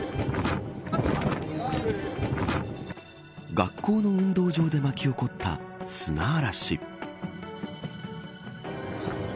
学校の運動場で巻き起こった砂嵐。